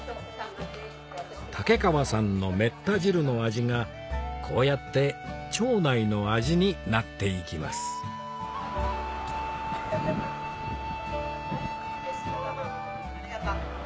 竹川さんのめった汁の味がこうやって町内の味になって行きますありがと。